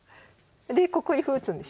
でここに歩打つんでしょ？